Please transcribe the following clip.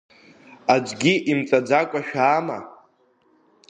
Аӡәгьы имҵаӡакәа шәаама?